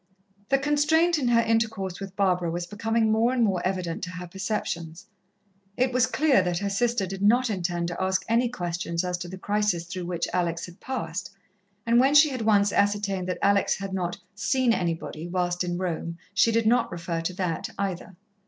The constraint in her intercourse with Barbara was becoming more and more evident to her perceptions. It was clear that her sister did not intend to ask any questions as to the crisis through which Alex had passed, and when she had once ascertained that Alex had not "seen anybody" whilst in Rome, she did not refer to that either.